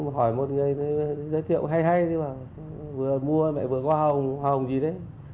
hỏi một người giới thiệu hay hay vừa mua vừa có hoa hồng gì đấy